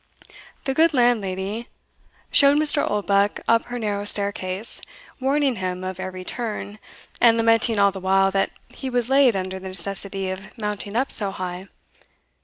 The good landlady showed Mr. Oldbuck up her narrow staircase, warning him of every turn, and lamenting all the while that he was laid under the necessity of mounting up so high.